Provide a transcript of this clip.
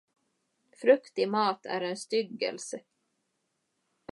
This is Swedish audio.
Frukt i mat är en styggelse.